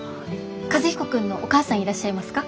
和彦君のお母さんいらっしゃいますか？